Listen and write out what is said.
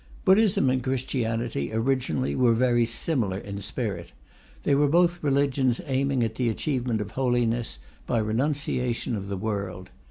Buddhism and Christianity, originally, were very similar in spirit. They were both religions aiming at the achievement of holiness by renunciation of the world.